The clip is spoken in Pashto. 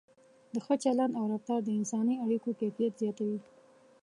د ښه چلند او رفتار د انساني اړیکو کیفیت زیاتوي.